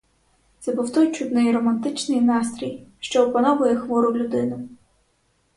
Це був той чудний романтичний настрій, що опановує хвору людину.